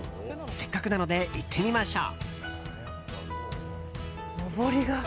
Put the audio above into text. せっかくなので行ってみましょう！